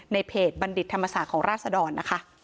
เพจบัณฑิตธรรมศาสตร์ของราศดรนะคะ